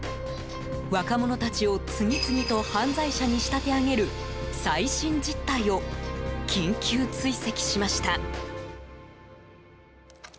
若者たちを次々と犯罪者に仕立て上げる最新実態を緊急追跡しました。